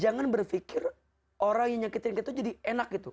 jangan berfikir orang yang menyakiti kita jadi enak gitu